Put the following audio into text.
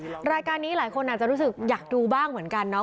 รายการนี้หลายคนอาจจะรู้สึกอยากดูบ้างเหมือนกันเนาะ